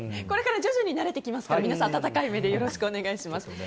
これから徐々に慣れてきますから皆さん、温かい目でよろしくお願いします。